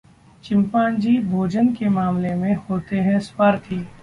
chimpanzee भोजन के मामले में होते हैं स्वार्थी